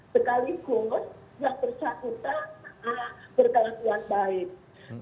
sekaligus yang bersangkutan berkelakuan baik